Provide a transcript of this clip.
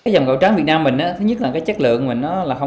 do không cạnh tranh được với giá bán